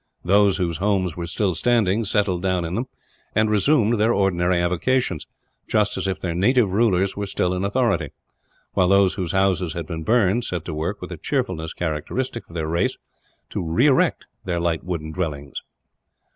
Those whose homes were still standing settled down in them and resumed their ordinary avocations, just as if their native rulers were still in authority; while those whose houses had been burned set to work, with a cheerfulness characteristic of their race, to re erect their light wooden dwellings.